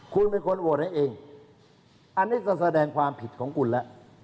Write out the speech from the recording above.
คุณเป็นคนโหวตให้เองอันนี้ก็แสดงความผิดของคุณแล้ว